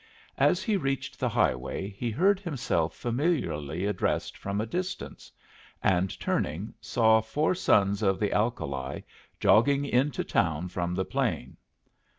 As he reached the highway he heard himself familiarly addressed from a distance, and, turning, saw four sons of the alkali jogging into town from the plain.